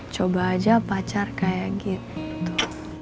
coba aja pacar kayak gitu